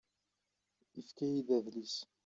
Ifka-yi-d adlis.